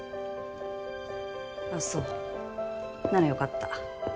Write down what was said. あっそならよかった